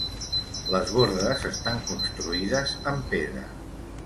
Les bordes estan construïdes amb pedra.